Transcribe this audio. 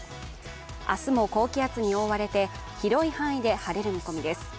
明日も高気圧に覆われて、広い範囲で晴れる見込みです。